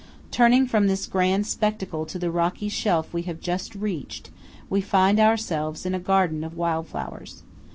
Turning from this grand spectacle to the rocky shelf we have just reached, we find ourselves in a garden of wild flowers.